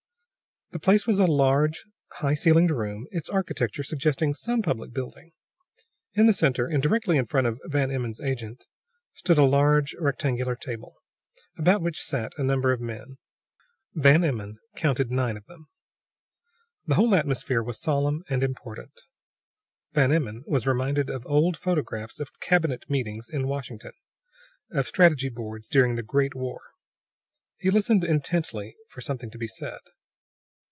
The place was a large high ceilinged room, its architecture suggesting some public building. In the center, and directly in front of Van Emmon's agent, stood a large, rectangular table, about which sat a number of men. Van Emmon counted nine of them. The whole atmosphere was solemn and important. Van Emmon was reminded of old photographs of cabinet meetings in Washington, of strategy boards during the great war. He listened intently for something to be said.